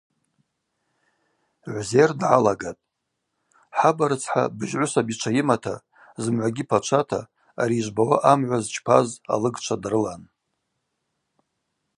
Гӏвзер дгӏалагатӏ: Хӏабарыцхӏа быжьгӏвысабичва йымата, зымгӏвагьи пачвата, ари йыжвбауа амгӏва зчпаз алыгчва дрылан.